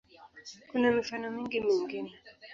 Kuna mifano mingi mingine.